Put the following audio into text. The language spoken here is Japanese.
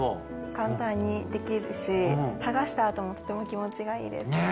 簡単にできるし剥がした後もとても気持ちがいいです。